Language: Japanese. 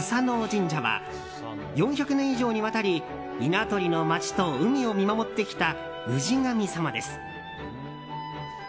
神社は４００年以上にわたり稲取の町と海を見守ってきた氏神様です。